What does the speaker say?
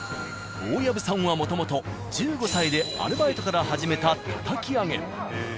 大藪さんはもともと１５歳でアルバイトから始めたたたき上げ。